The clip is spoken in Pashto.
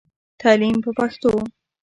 تعليم په پښتو.